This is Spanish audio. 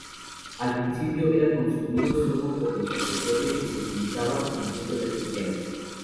Al principio era consumido sólo por los Sacerdotes y se utilizaba en ritos especiales.